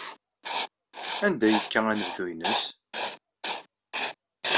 Anda ay yekka anebdu-nnes?